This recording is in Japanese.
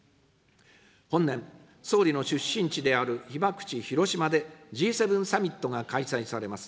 本年、総理の出身地である被爆地、広島でＧ７サミットが開催されます。